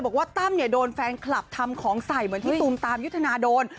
บอกว่าตั้มโดนแฟนคลับทำของใส่เหมือนที่ตุมตามยุทธนาโดน